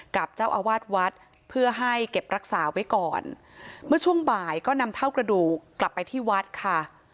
กับเจ้าอาวาสวัดเพื่อให้เก็บรักษาไว้ก่อนเมื่อช่วงบ่ายก็นำเท่ากระดูกกลับไปที่วัดค่ะ